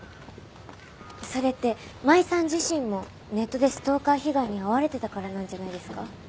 それって麻衣さん自身もネットでストーカー被害に遭われてたからなんじゃないですか？